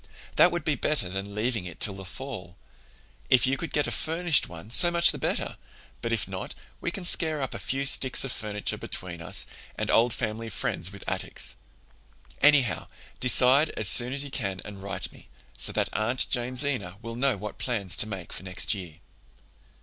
That would be better than leaving it till the fall. If you could get a furnished one so much the better, but if not, we can scare up a few sticks of finiture between us and old family friends with attics. Anyhow, decide as soon as you can and write me, so that Aunt Jamesina will know what plans to make for next year."